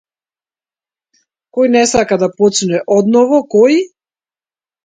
Кој не сака да почне одново, кој?